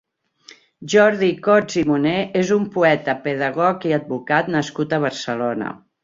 Jordi Cots i Moner és un poeta, pedagog i advocat nascut a Barcelona.